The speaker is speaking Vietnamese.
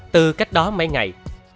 từ cách đó mấy ngày